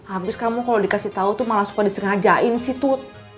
abis kamu kalo dikasih tau tuh malah suka disengajain sih cud